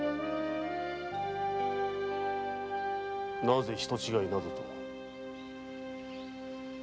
なぜ人違いなどと。